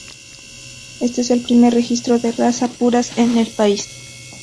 Éste es el primer registro de razas puras en el país.